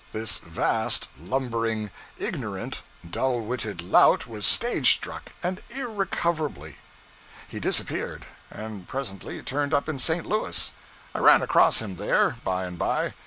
This vast, lumbering, ignorant, dull witted lout was stage struck, and irrecoverably. He disappeared, and presently turned up in St. Louis. I ran across him there, by and by.